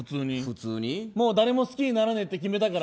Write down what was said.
もう誰も好きにならねえって決めたから。